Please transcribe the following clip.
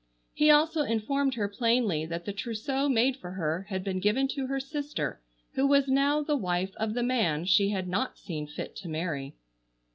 He also informed her plainly that the trousseau made for her had been given to her sister who was now the wife of the man she had not seen fit to marry.